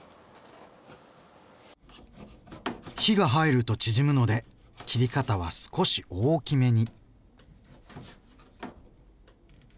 火が入ると縮むので切り方は少し大きめに。